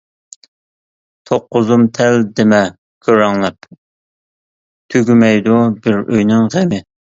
توققۇزۇم تەل دېمە كۆرەڭلەپ، تۈگىمەيدۇ بىر ئۆينىڭ غېمى.